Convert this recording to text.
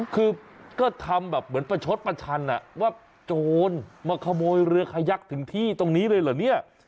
คือก็ทำแบบเหมือนประชดประชันว่าโจรมาขโมยเรือขยักถึงที่ตรงนี้เลยเหรอเนี่ย